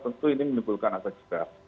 tentu ini menimbulkan asas jelas